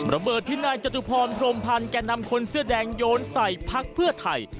ระเบิดที่นายจตุพรพรมพันธ์แก่นำคนเสื้อแดงโยนใส่พักเพื่อไทย